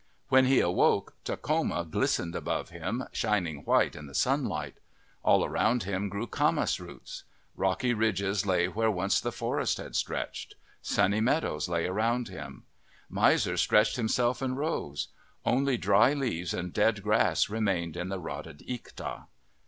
When he awoke, Tak homa glistened above him, shining white in the sun light. All around him grew camas roots. Rocky ridges lay where once the forest had stretched. Sunny meadows lay around him. Miser stretched himself and arose. Only dry leaves and dead grass remained in the rotted ikta.